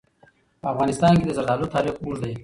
په افغانستان کې د زردالو تاریخ اوږد دی.